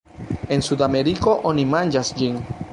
En Sudameriko oni manĝas ĝin.